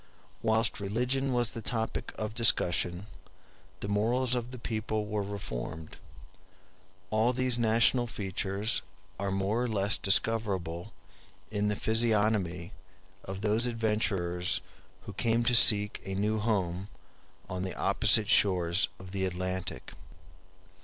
Whilst religion was the topic of discussion, the morals of the people were reformed. All these national features are more or less discoverable in the physiognomy of those adventurers who came to seek a new home on the opposite shores of the Atlantic.